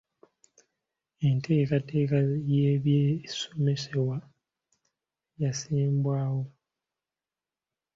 Enteekateeka y’ebisomesebwa yassibwawo.